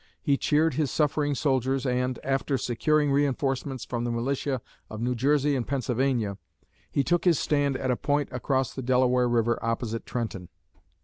He cheered his suffering soldiers and, after securing reënforcements from the militia of New Jersey and Pennsylvania, he took his stand at a point across the Delaware River opposite Trenton.